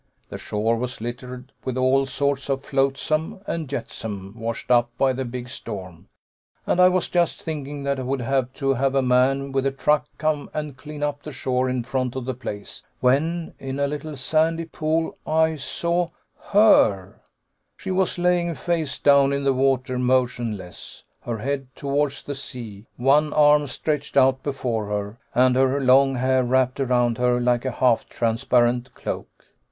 The shore was littered with all sorts of flotsam and jetsam washed up by the big storm, and I was just thinking that I would have to have a man with a truck come and clean up the shore in front of the place, when, in a little sandy pool, I saw her. "She was laying face down in the water, motionless, her head towards the sea, one arm stretched out before her, and her long hair wrapped around her like a half transparent cloak.